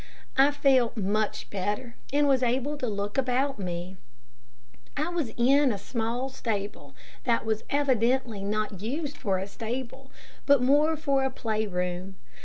I felt much better and was able to look about me, I was in a small stable, that was evidently not used for a stable, but more for a play room.